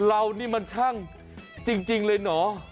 เรานี่มันช่างจริงเลยเหรอ